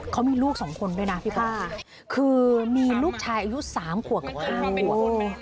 เขามีลูกสองคนด้วยนะพี่ป้าคือมีลูกชายอายุ๓ขวบกับ๕ขวบ